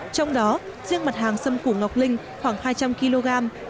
trong đó riêng mặt hàng xâm củ ngọc linh khoảng hai trăm linh kg